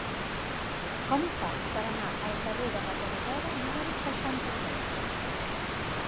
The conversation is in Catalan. Com ho faig per anar al carrer de Matadepera número seixanta-set?